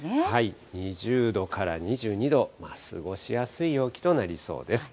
２０度から２２度、過ごしやすい陽気となりそうです。